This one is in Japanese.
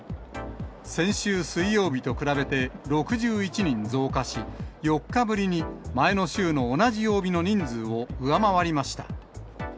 先週水曜日と比べて６１人増加し、４日ぶりに前の週の同じ曜日の人数を上回りました。